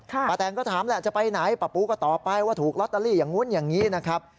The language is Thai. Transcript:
แตนก็ถามแหละจะไปไหนป้าปูก็ตอบไปว่าถูกลอตเตอรี่อย่างนู้นอย่างนี้นะครับ